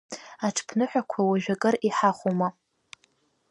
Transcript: Аҽԥныҳәақәа уажәы акыр иҳахәома?